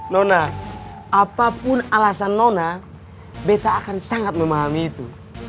nona apapun alasan nona beta akan sangat memahami itu